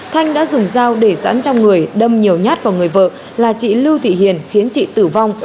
thanh đã dùng dao để dẫn trong người đâm nhiều nhát vào người vợ là chị lưu thị hiền khiến chị tử vong